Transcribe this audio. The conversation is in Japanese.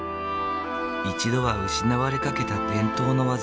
一度は失われかけた伝統の技。